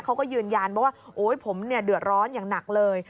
เขาก็ยืนยันว่าผมเดือดร้อนอย่างหนักเลย